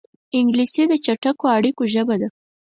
انګلیسي د چټکو اړیکو ژبه ده